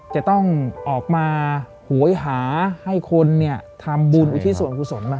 จะต้องออกมาหวยหาให้คนเนี่ยทำบุญอุทิศวรรคุศลนะฮ่า